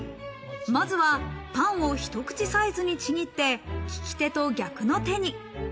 まずはパンをひと口サイズにちぎって、利き手と逆の手に。